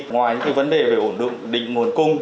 ngoài những cái vấn đề về ổn định nguồn cung